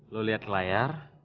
lo liat ke layar